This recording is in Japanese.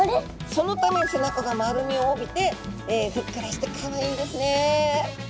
そのため背中が丸みを帯びてふっくらしてかわいいんですね。